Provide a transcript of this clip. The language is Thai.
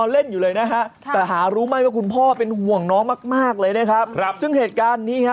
เราก็มักจะนั่งลุ้นเนอะ